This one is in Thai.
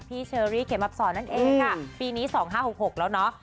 เชอรี่เขมอับสอนนั่นเองค่ะปีนี้๒๕๖๖แล้วเนาะ